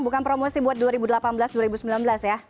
bukan promosi buat dua ribu delapan belas dua ribu sembilan belas ya